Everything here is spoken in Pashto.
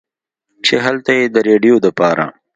چې هلته ئې د رېډيو دپاره